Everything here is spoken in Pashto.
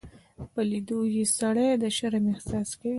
په لیدو یې سړی د شرم احساس کوي.